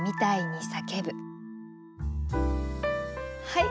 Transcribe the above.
はい！